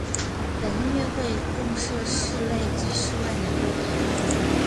本音乐会共设室内及室外两个舞台。